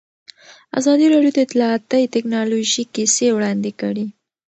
ازادي راډیو د اطلاعاتی تکنالوژي کیسې وړاندې کړي.